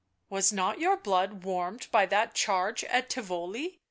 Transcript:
"Was not your blood warmed by that charge at Tivoli?